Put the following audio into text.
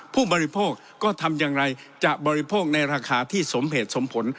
ผู้บริโภคก็ทำอย่างไรจะบริโภคในราคาที่สมเหตุสมผล